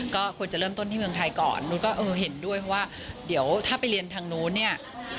ก็ควรจะเริ่มต้นที่เมืองไทยก่อนนู้นก็เออเห็นด้วยเพราะว่าเดี๋ยวถ้าไปเรียนทางนู้นเนี่ย